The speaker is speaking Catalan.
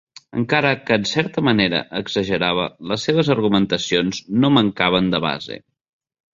Encara que en certa manera exagerava, les seves argumentacions no mancaven de base.